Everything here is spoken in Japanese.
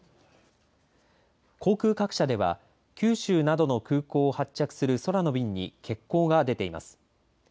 航空各社では九州などの空港を発着する空の便に欠航が出ています。